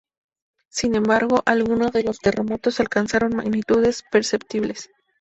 Sin embargo, algunos de los terremotos alcanzaron magnitudes perceptibles.